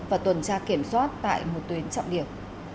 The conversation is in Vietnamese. và tuần tra kiểm soát tại một tuyến trọng điểm